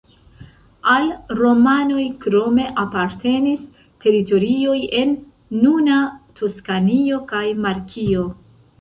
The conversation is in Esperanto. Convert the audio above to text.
Al Romanjo krome apartenis teritorioj en nuna Toskanio kaj Markio.